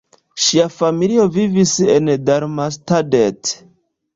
Ŝia familio vivis en Darmstadt.